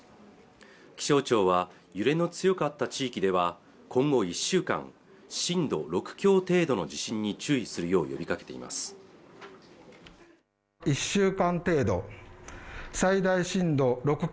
気象庁は揺れの強かった地域では今後１週間震度６強程度の地震に注意するよう呼びかけています